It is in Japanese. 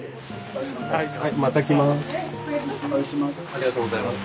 ありがとうございます。